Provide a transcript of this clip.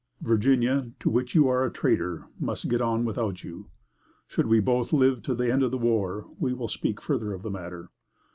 Virginia, to which you are a traitor, must get on without you. Should we both live to the end of the war, we will speak further of the matter.